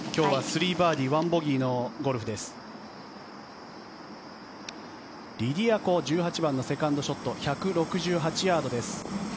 リディア・コ１８番のセカンドショット１６８ヤードです。